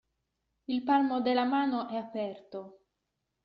Il palmo della mano è aperto.